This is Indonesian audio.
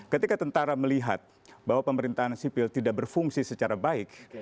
ketika tentara melihat bahwa pemerintahan sipil tidak berfungsi secara baik